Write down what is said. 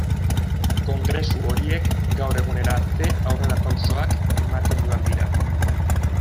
Kongresu horiek gaur egunera arte aurrerapausoak ematen joan dira.